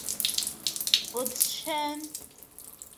Boutsianis came on as a substitute and scored a goal in that match.